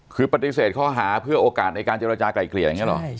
คือปฏิเสธข้อหาเพื่อโอกาสในการเจรจากลายเกลี่ยอย่างนี้หรอ